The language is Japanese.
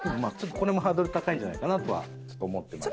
これもハードル高いんじゃないかなとはちょっと思ってまして。